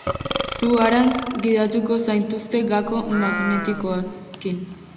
Zu harantz gidatuko zaituzte gako magnetikoekin.